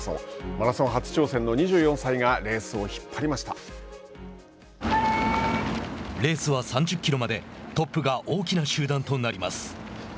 マラソン初挑戦の２４歳がレースは３０キロまでトップが大きな集団となります。